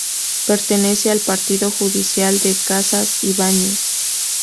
Pertenece al partido judicial de Casas-Ibáñez.